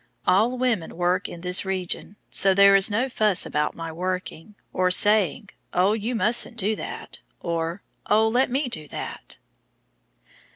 All women work in this region, so there is no fuss about my working, or saying, "Oh, you mustn't do that," or "Oh, let me do that."